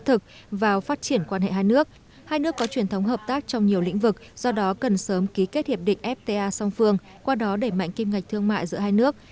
hai nước có truyền thống hợp tác trong nhiều lĩnh vực do đó cần sớm ký kết hiệp định fta song phương qua đó đẩy mạnh kim ngạch thương mại giữa hai nước